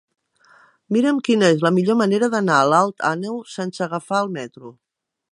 Mira'm quina és la millor manera d'anar a Alt Àneu sense agafar el metro.